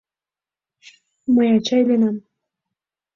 “Мый ача лийынам!”